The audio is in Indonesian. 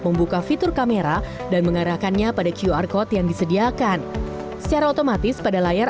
membuka fitur kamera dan mengarahkannya pada qr code yang disediakan secara otomatis pada layar